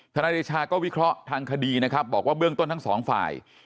นายเดชาก็วิเคราะห์ทางคดีนะครับบอกว่าเบื้องต้นทั้งสองฝ่าย